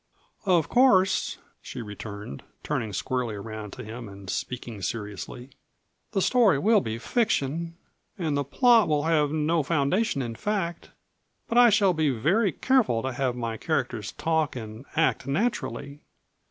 "Of course," she returned, turning squarely around to him and speaking seriously, "the story will be fiction, and the plot will have no foundation in fact. But I shall be very careful to have my characters talk and act naturally.